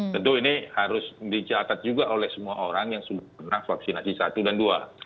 tentu ini harus dicatat juga oleh semua orang yang sudah pernah vaksinasi satu dan dua